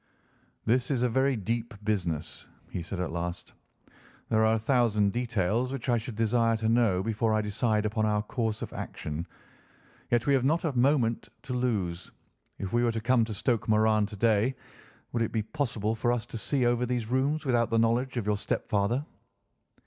"This is a very deep business," he said at last. "There are a thousand details which I should desire to know before I decide upon our course of action. Yet we have not a moment to lose. If we were to come to Stoke Moran to day, would it be possible for us to see over these rooms without the knowledge of your stepfather?"